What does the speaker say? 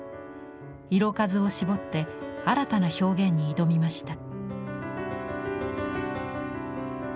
色数を絞って新たな表現に挑みました。